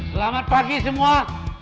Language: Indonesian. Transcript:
selamat pagi semua